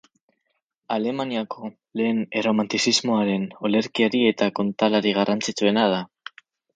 Alemaniako lehen erromantizismoaren olerkari eta kontalari garrantzitsuena da.